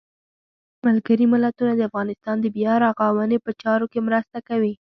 ملګري ملتونه د افغانستان د بیا رغاونې په چارو کې مرسته کوي.